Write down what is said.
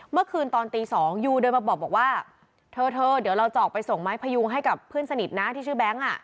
เมื่อคืนตอนตี๒ยูเดินมาบอกว่าเธอเดี๋ยวเราจะออกไปส่งไม้พยุงให้กับเพื่อนสนิทนะที่ชื่อแบงค์